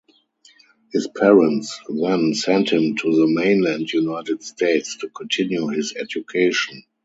His parents then sent him to the mainland United States to continue his education.